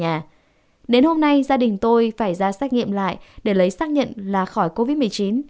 đến hôm nay gia đình tôi phải ra xét nghiệm lại để lấy xác nhận là khỏi covid một mươi chín